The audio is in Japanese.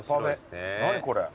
何これ？